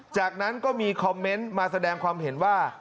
จากนั้นก็มีคอมเมนต์มาแสดงความเห็นว่า